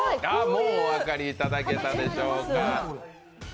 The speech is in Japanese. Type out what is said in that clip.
もうお分かりいただけたでしょうか？